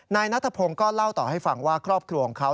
นายนัทพงศ์ก็เล่าต่อให้ฟังว่าครอบครัวของเขา